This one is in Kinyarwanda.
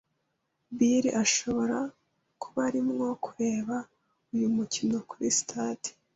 Bill ashobora kuba arimo kureba uyu mukino kuri stade.